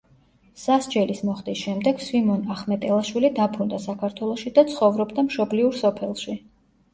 სასჯელის მოხდის შემდეგ სვიმონ ახმეტელაშვილი დაბრუნდა საქართველოში და ცხოვრობდა მშობლიურ სოფელში.